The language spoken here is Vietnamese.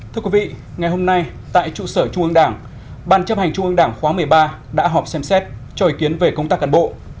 thưa quý vị ngày hôm nay tại trụ sở trung ương đảng ban chấp hành trung ương đảng khóa một mươi ba đã họp xem xét cho ý kiến về công tác cán bộ